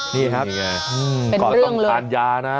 นี่ครับเป็นเรื่องเรื่องก่อนต้องการยานะ